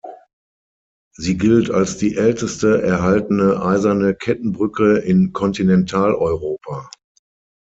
Sie gilt als die älteste erhaltene eiserne Kettenbrücke in Kontinentaleuropa.